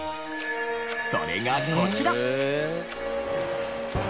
それがこちら。